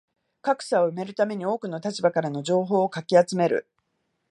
格差を埋めるために多くの立場からの情報をかき集める